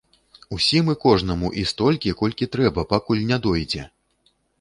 Усім і кожнаму і столькі, колькі трэба, пакуль не дойдзе!